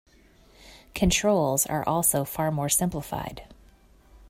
Controls are also far more simplified.